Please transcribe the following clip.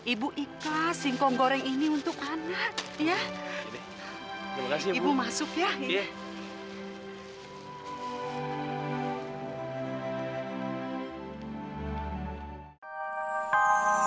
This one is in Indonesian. ibu ikas singkong goreng ini untuk anak ya